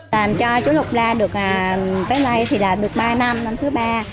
làm cho chú lục la tới nay thì là được ba năm năm thứ ba